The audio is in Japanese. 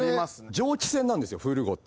蒸気船なんですよフール号って。